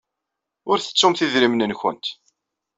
Ur tettumt idrimen-nwent.